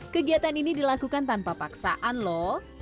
kegiatan ini dilakukan tanpa paksaan loh